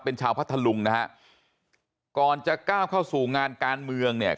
เป็นชาวพัทธลุงนะฮะก่อนจะก้าวเข้าสู่งานการเมืองเนี่ย